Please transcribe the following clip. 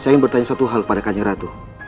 saya ingin bertanya satu hal pada kanjeng ratu